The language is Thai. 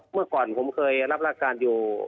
เมื่อก่อนผมเคยรับราชการอยู่